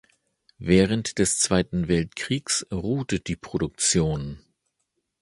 Während des Zweiten Weltkriegs ruhte die Produktion.